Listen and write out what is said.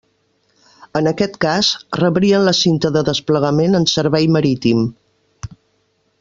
En aquest cas, rebrien la cinta de desplegament en servei marítim.